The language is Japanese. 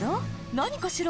何かしら？